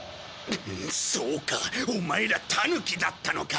そうかオマエらタヌキだったのか。